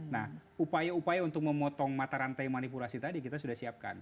nah upaya upaya untuk memotong mata rantai manipulasi tadi kita sudah siapkan